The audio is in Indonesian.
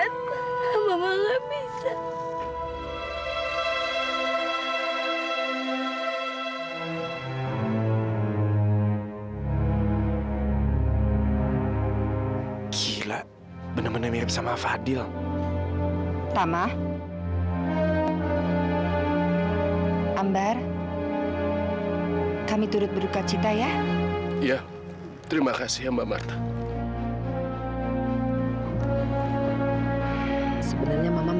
tapi harus gimana terpaksa kan